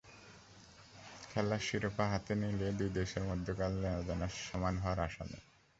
খেলার শিরোপা হাতে নিলেই দুই দেশের মধ্যকার লেনাদেনা সমান হওয়ার আশা নেই।